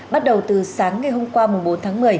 bắt đầu từ sáng ngày hôm qua bốn tháng một mươi